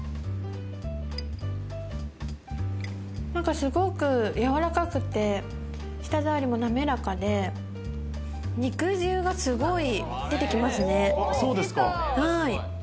すごくやわらかくて、舌ざわりも滑らかで、肉汁がすごい出てきますね。